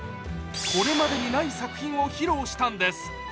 これまでにない作品を披露したんです。